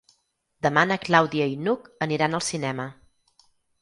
Demà na Clàudia i n'Hug aniran al cinema.